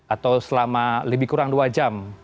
atau selama lebih kurang dua jam